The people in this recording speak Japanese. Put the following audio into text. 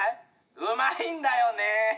うまいんだよねぇ！